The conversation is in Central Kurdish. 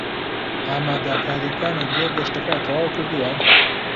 ئامادەکارییەکانت بۆ گەشتەکە تەواو کردووە؟